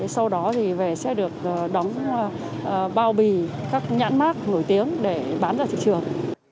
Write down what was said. sau đó thì sẽ được đóng bao bì các nhãn mát nổi tiếng để bán vào thị trường